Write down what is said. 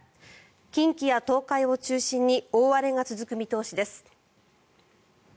近畿や東海を中心に大荒れが続く見通しです。